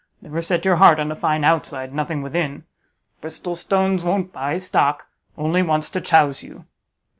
Never set your heart on a fine outside, nothing within. Bristol stones won't buy stock: only wants to chouse you."